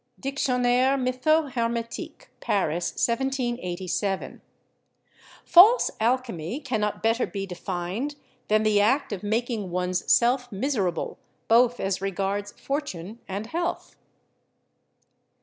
"Dictionnaire Mytho hermetique," Paris (1787). "False alchemy cannot better be defined than the act of making one's self miserable, both as regards for tune and health."